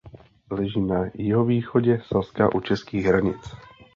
Leží na jihovýchodě Saska u českých hranic.